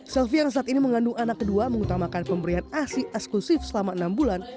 selvi yang saat ini mengandung anak kedua mengutamakan pemberian asi eksklusif selama enam bulan